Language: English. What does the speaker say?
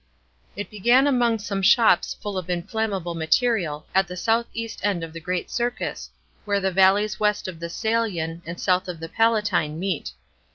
It began among some shops full of inflammable material, at the south east end of the Great Circus, where the valleys west of the Cselian and south of the Palatine meet.